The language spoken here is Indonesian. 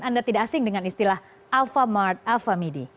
anda tidak asing dengan istilah alphamart alphamidi